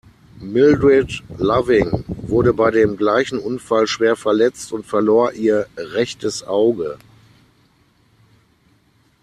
Mildred Loving wurde bei dem gleichen Unfall schwer verletzt und verlor ihr rechtes Auge.